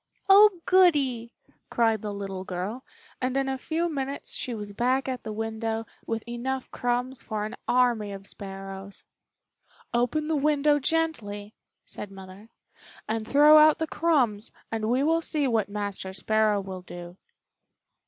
"Oh, goody!" cried the little girl, and in a few minutes she was back at the window with enough crumbs for an army of sparrows. "Open the window gently," said Mother, "and throw out the crumbs, and we will see what Master Sparrow will do."